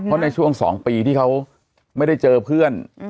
เพราะในช่วง๒ปีที่เขาไม่ได้เจอเพื่อน